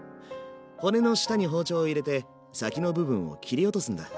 骨の下に包丁を入れて先の部分を切り落とすんだ。